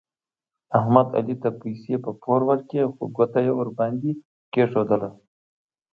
احمد علي ته پیسې په پور ورکړلې خو ګوته یې ور باندې کېښودله.